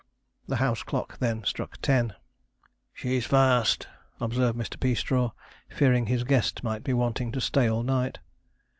The house clock then struck ten. 'She's fast,' observed Mr. Peastraw, fearing his guest might be wanting to stay all night.